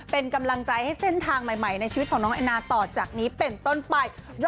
เป็นกำลังใจให้เส้นทางใหม่ในชีวิตของน้องแอนนาต่อจากนี้เป็นต้นไป